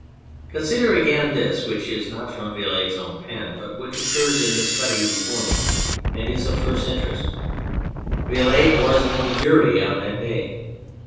Consider again this, which is not from Vilate's own pen, but which occurs in the study before me and is of the first interest : Vilate was in the jury on that day.